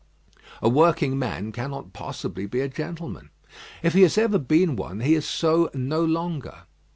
A working man cannot possibly be a gentleman. If he has ever been one, he is so no longer.